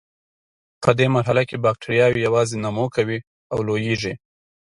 په دې مرحله کې بکټریاوې یوازې نمو کوي او لویږي.